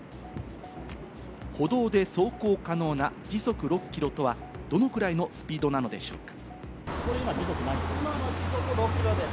歩道で走行可能な時速６キロとは、どのくらいのスピードなのでしょうか。